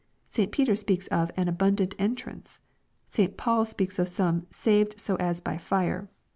St Peter speaks of an " abundant entrance." St. Paul speaks of some " saved so as by fire."